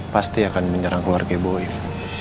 pasti akan menyerang keluarga ibu ibu